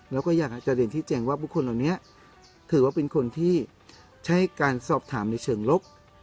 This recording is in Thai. แล้วก็อยากจะเรียนที่แจ้งว่าบุคคลเหล่านี้ถือว่าเป็นคนที่ใช้การสอบถามในเชิงลบ